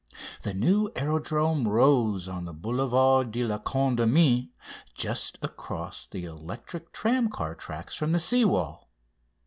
The new aerodrome rose on the Boulevard de la Condamine, just across the electric tramcar tracks from the sea wall.